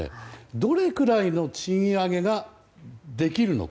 どれぐらいの賃上げができるのか。